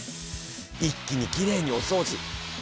一気にきれいにお掃除。